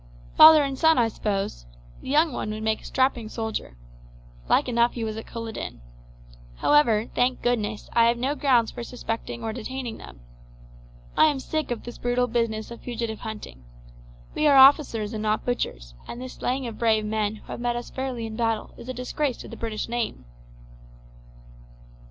"Father and son, I suppose. The young one would make a strapping soldier. Like enough he was at Culloden. However, thank goodness, I have no grounds for suspecting or detaining them. I am sick of this brutal business of fugitive hunting. We are officers and not butchers, and this slaying of brave men who have met us fairly in battle is a disgrace to the British name."